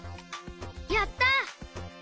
やった！